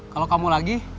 kalau kamu lagi